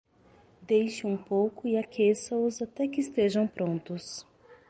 Deixe um pouco e aqueça-os até que estejam prontos.